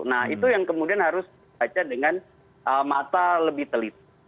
nah itu yang kemudian harus dibaca dengan mata lebih telit